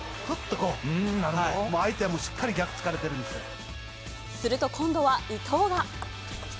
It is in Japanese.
相手はすっかり逆つかれてるすると今度は伊藤が。